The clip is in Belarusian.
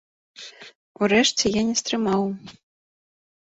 Урэшце я не стрымаў.